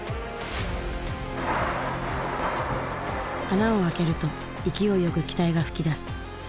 穴を開けると勢いよく気体が噴き出す。